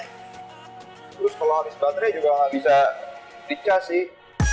terus kalau habis baterai juga nggak bisa dica sih